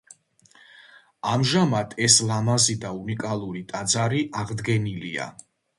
ამჟამად ეს ლამაზი და უნიკალური ტაძარი აღდგენილია.